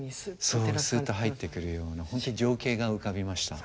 そうすっと入ってくるような本当に情景が浮かびました。